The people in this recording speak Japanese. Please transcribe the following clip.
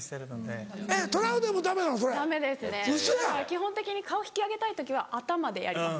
基本的に顔引き上げたい時は頭でやります。